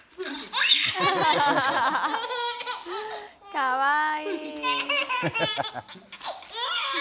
かわいい。